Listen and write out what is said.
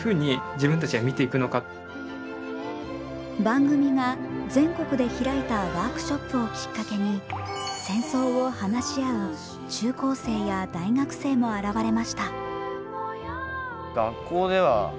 番組が全国で開いたワークショップをきっかけに戦争を話し合う中高生や大学生も現れました。